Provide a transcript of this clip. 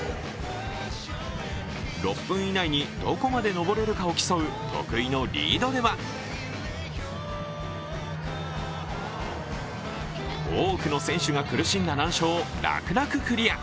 ６分以内にどこまで登れるかを競う得意のリードでは多くの選手が苦しんだ難所を楽々クリア。